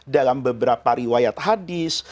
dalam beberapa riwayat hadis